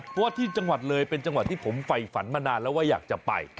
เพราะว่าที่จังหวัดเลยเป็นจังหวัดที่ผมไฟฝันมานานแล้วว่าอยากจะไป